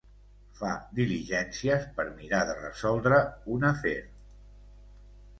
Fa diligències per mirar de resoldre un afer.